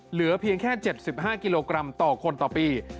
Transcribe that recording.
เหลือเพียงแค่๗๕กิโลกรัมต่อคนต่อปี